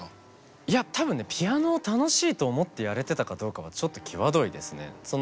いや多分ねピアノを楽しいと思ってやれてたかどうかはちょっと際どいですね。